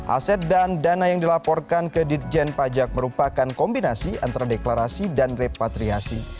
aset dan dana yang dilaporkan ke ditjen pajak merupakan kombinasi antara deklarasi dan repatriasi